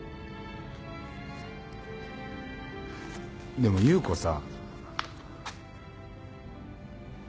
でも優子さ。